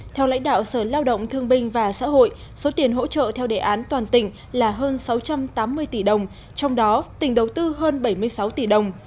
theo lãnh đạo sở lao động thương binh và xã hội số tiền hỗ trợ theo đề án toàn tỉnh là hơn sáu trăm tám mươi tỷ đồng trong đó tỉnh đầu tư hơn bảy mươi sáu tỷ đồng